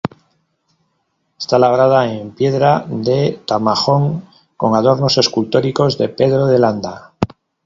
Está labrada en piedra de Tamajón, con adornos escultóricos de Pedro de Landa.